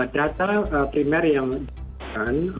data primer yang diberikan